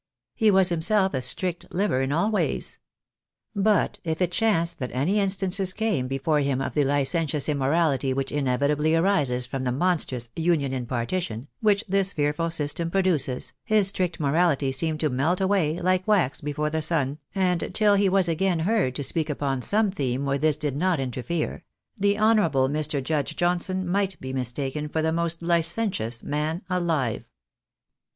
He was hunself a strict liver in all ways. But, if it chanced that any instances came before him of the licentious immorality which inevitably arises from the mon strous " union in partition " which tliis fearful system produces, his strict morality seemed to melt away, like wax before the sun, and till he was again heard to speak upon some theme where this did not interfere, the honourable Mr. Judge Johnson might be mis taken for the most licentious man alive.